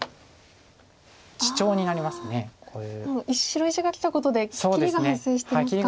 白石がきたことで切りが発生してますか。